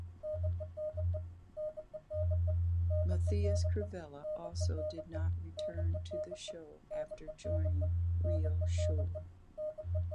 Matheus Crivella also did not return to the show after joining Rio Shore.